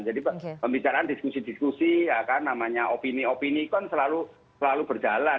jadi pembicaraan diskusi diskusi opini opini kan selalu berjalan